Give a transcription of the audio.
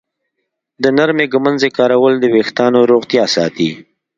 د نرمې ږمنځې کارول د ویښتانو روغتیا ساتي.